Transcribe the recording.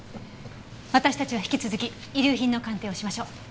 私たちは引き続き遺留品の鑑定をしましょう。